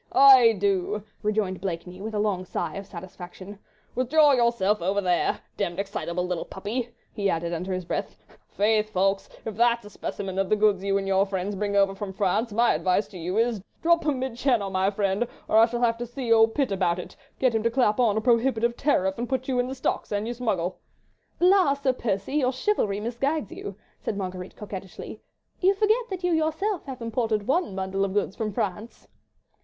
"Aye, do!" rejoined Blakeney, with a long sigh of satisfaction, "withdraw yourself over there. Demmed excitable little puppy," he added under his breath. "Faith, Ffoulkes, if that's a specimen of the goods you and your friends bring over from France, my advice to you is, drop 'em 'mid Channel, my friend, or I shall have to see old Pitt about it, get him to clap on a prohibitive tariff, and put you in the stocks an you smuggle." "La, Sir Percy, your chivalry misguides you," said Marguerite, coquettishly, "you forget that you yourself have imported one bundle of goods from France."